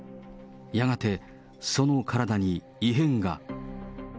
やがてその体に異変が。